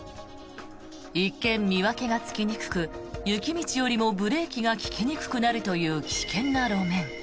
一見見分けがつきにくく雪道よりもブレーキが利きにくくなるという危険な路面。